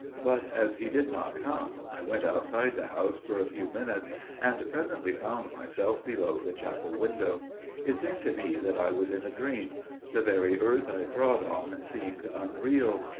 But as he did not come, I went outside the house for a few minutes, and presently found myself below the chapel window. It seemed to me that I was in a dream––the very earth I trod on seemed unreal.